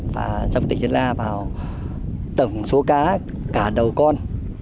và trong tỉnh sơn la vào tổng số cá cả đầu con